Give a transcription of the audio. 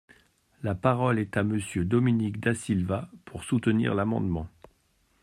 La parole est à Monsieur Dominique Da Silva, pour soutenir l’amendement.